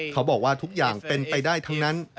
เขาบอกว่าทุกอย่างเป็นไปได้ทั้งนั้น